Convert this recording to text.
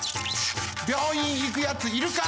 病院いくやついるか？